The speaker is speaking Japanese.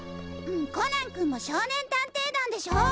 コナン君も少年探偵団でしょ。